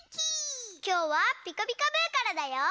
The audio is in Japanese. きょうは「ピカピカブ！」からだよ。